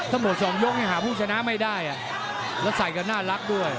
หมด๒ยกหาผู้ชนะไม่ได้แล้วใส่กันน่ารักด้วย